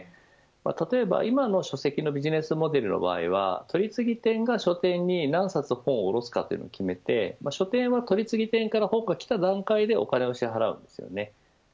例えば、今の書籍のビジネスモデルの場合は取次店が書店に何冊本を卸すかというのを決めて書店は取次店からきた段階でお金を支払います。